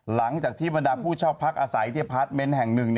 หลังจากที่บรรดาผู้เช่าพักอาศัยที่พาร์ทเมนต์แห่งหนึ่ง